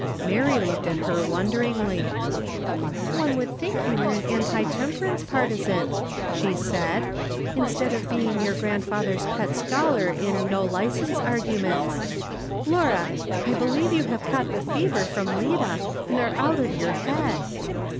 Mary looked at her wonderingly. " One would think you were an anti temperance partisan," she said, "instead of being your grand ''PRINCIPLES IS mcOl^VENlENT TlIlMGSr 249 fatliev's pet scholar in 'no licence' arguments. Laura, I believe you caught the fever from Lida, and are out of your head